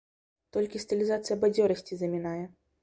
Толькі стылізацыя бадзёрасці замінае.